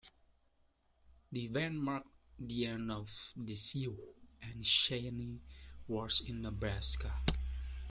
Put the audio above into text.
The event marked the end of the Sioux and Cheyenne Wars in Nebraska.